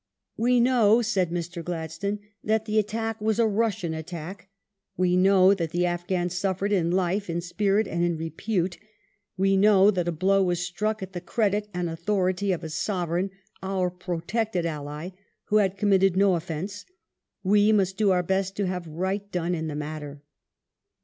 "We know," said Mr. Gladstone, ''that the attack was a Russian attack ; we know that the Afghans suffered in life, in spirit, and in repute ; we know that a blow was struck at the credit and authority of a Sovereign, our protected Ally, who had committed no offence. ... We must do our best to have right done in the matter."